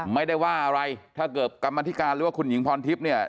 ไม่ได้ว่าอะไรถ้าเกิดกรรมธิการหรือว่าคุณหญิงพรทิพย์เนี่ย